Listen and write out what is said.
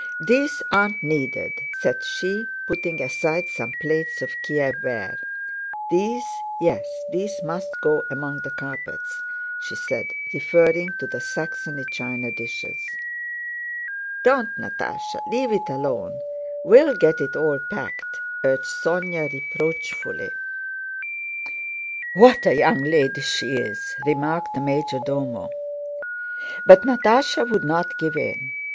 "These aren't needed," said she, putting aside some plates of Kiev ware. "These—yes, these must go among the carpets," she said, referring to the Saxony china dishes. "Don't, Natásha! Leave it alone! We'll get it all packed," urged Sónya reproachfully. "What a young lady she is!" remarked the major domo. But Natásha would not give in.